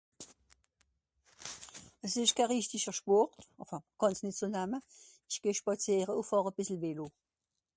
àss esch keh rìchtiger Schpòrt enfin gànz ... ìsch geh spàziere ùn fàhr à bìssel vélo